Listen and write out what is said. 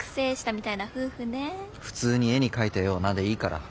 普通に「絵に描いたような」でいいから。